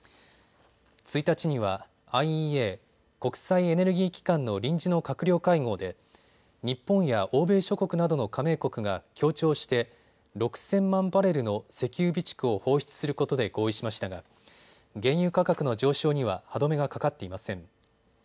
１日にはＩＥＡ・国際エネルギー機関の臨時の閣僚会合で日本や欧米諸国などの加盟国が協調して６０００万バレルの石油備蓄を放出することで合意しましたが原油価格の上昇には歯止めがかかっていません。